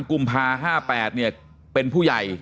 ๑๓กุมภาค่ะ๕๘เนี่ยเป็นผู้ใหญ่